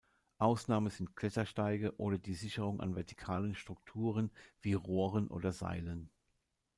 Ausnahme sind Klettersteige oder die "Sicherung" an vertikalen Strukturen wie Rohren oder Seilen.